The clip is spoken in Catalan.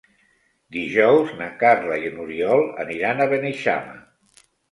Dijous na Carla i n'Oriol aniran a Beneixama.